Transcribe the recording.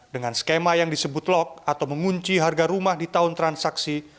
dengan skema yang disebut lock atau mengunci harga rumah di tahun transaksi